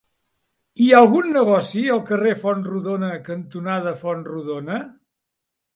Hi ha algun negoci al carrer Fontrodona cantonada Fontrodona?